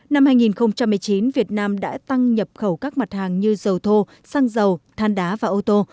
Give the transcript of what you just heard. năm hai nghìn một mươi chín việt nam đã tăng nhập khẩu các mặt hàng như dầu thô xăng dầu than đá và ô tô